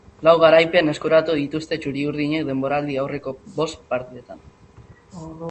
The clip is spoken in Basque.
Lau garaipen eskuratu dituzte txuriurdinek denboraldi-aurreko bost partidetan.